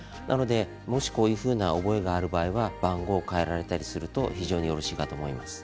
もし、こういうふうな覚えがある場合は番号を変えられたりすると非常によろしいかと思います。